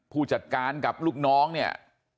ผู้จัดการกับลูกน้องเนี่ย